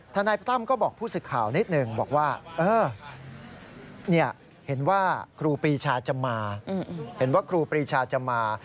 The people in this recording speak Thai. ถ้านายประตั้มก็บอกผู้ศึกข่าวนิดหนึ่งบอกว่าเห็นว่าครูปีชาจะมา